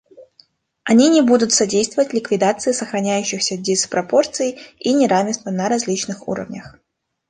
Они не будут содействовать ликвидации сохраняющихся диспропорций и неравенства на различных уровнях.